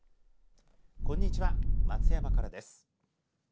こんにちは、松山からです。